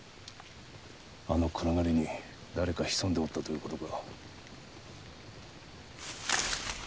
あの暗がりに誰か潜んでおったという事か。